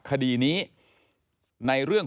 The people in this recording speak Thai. คดีนี้ในเรื่อง